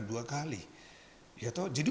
dua kali jadi